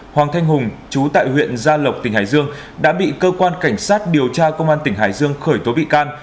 hoàng thanh hùng chú tại huyện gia lộc tỉnh hải dương đã bị cơ quan cảnh sát điều tra công an tỉnh hải dương khởi tố bị can